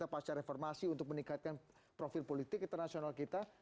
jualan utama kita pasca reformasi untuk meningkatkan profil politik internasional kita